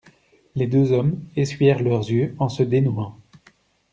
Les deux hommes essuyèrent leurs yeux en se dénouant.